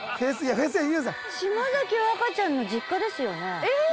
島崎和歌ちゃんの実家ですよね？